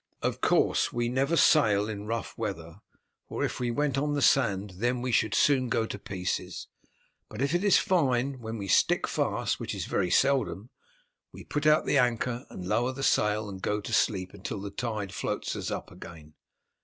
Of course we never sail in rough weather, for if we went on the sand then we should soon go to pieces; but if it is fine when we stick fast, which is very seldom, we put out the anchor and lower the sail, and go to sleep until the tide floats us again.